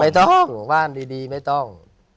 ไม่ต้องว่านดีไม่ต้อง